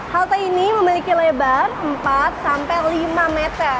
halte ini memiliki lebar empat sampai lima meter